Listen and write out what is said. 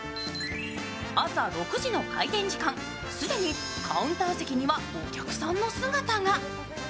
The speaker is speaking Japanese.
朝６時の開店時間、既にカウンター席にはお客さんの姿が。